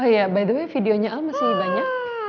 oh ya by the way videonya al masih banyak